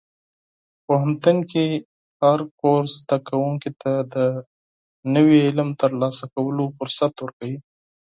پوهنتون کې هر کورس زده کوونکي ته د نوي علم ترلاسه کولو فرصت ورکوي.